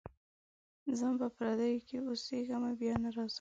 ځم په پردیو کي اوسېږمه بیا نه راځمه.